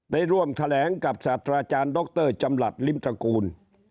ได้ร่วมแถลงกับศาสตราจารย์ดรจำหลัดลิ้มตระกูล